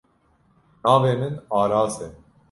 Navê min Aras e.